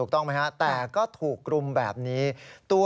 มันเกิดเหตุเป็นเหตุที่บ้านกลัว